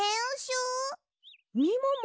みもも